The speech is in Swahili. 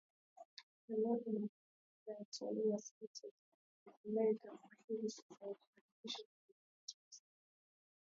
Malengo makuu ya Idhaa ya kiswahili ya Sauti ya Amerika kwa hivi sasa ni kuhakikisha tuna leta usawa